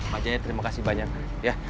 pak jaya terima kasih banyak ya